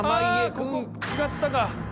ああここ違ったか。